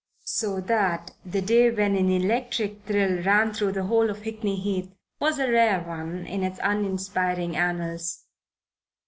So that the day when an electric thrill ran through the whole of Hickney Heath was a rare one in its uninspiring annals.